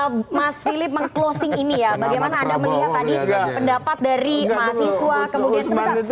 bagaimana anda melihat tadi pendapat dari mahasiswa kemudian